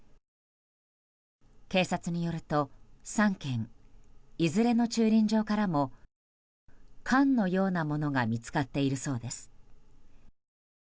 警察によると３件、いずれの駐輪場からも缶のようなものが見つかっているそうです。